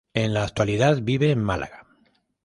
En la actualidad vive en Málaga.